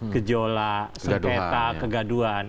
gejola sekretak kegaduan